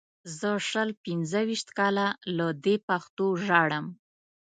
زه شل پنځه ویشت کاله له دې پښتو ژاړم.